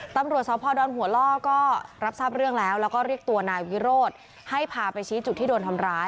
ตำรวจสพดอนหัวล่อก็รับทราบเรื่องแล้วแล้วก็เรียกตัวนายวิโรธให้พาไปชี้จุดที่โดนทำร้าย